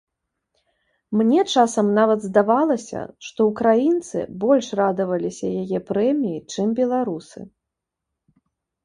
Мне часам нават здавалася, што ўкраінцы больш радаваліся яе прэміі, чым беларусы.